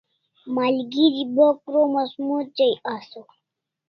Malgeri bo krom as mochai asaw